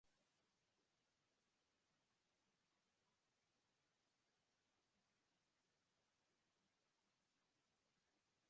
També rebreu un missatge electrònic des d'on es pot obtenir el resguard.